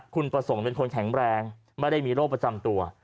คุณประสงค์เป็นคนแข็งแรงไม่ได้มีโรคประจำตัว